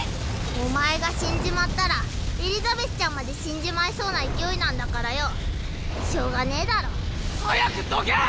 お前が死んじまったらエリザベスちゃんまで死んじまいそうな勢いなんだからよしょうがねぇだろ。早くどけ！